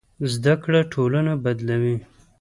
زده کړه ټولنه بدلوي.